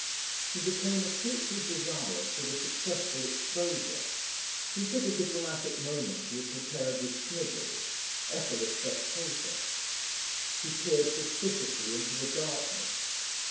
He became acutely desirous of a successful exposure. He figured the dramatic moment he had prepared with Smithers Ethel a spectator. He peered suspiciously into the darkness.